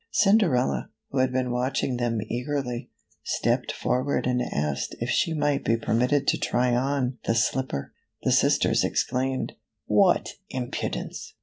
Cinderella, who had been watching them eagerly, stepped forward and asked if she might be permitted to try on the slipper. The sisters exclaimed, " What impudence